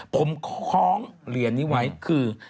ผมคล้องเหรียญนี้ไว้คือ